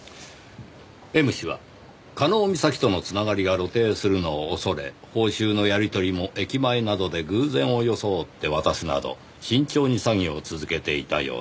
「Ｍ氏は加納美咲とのつながりが露呈するのを恐れ報酬のやり取りも駅前などで偶然を装って渡すなど慎重に詐欺を続けていたようだ」